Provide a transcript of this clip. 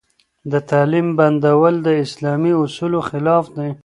د تعليم بندول د اسلامي اصولو خلاف دي.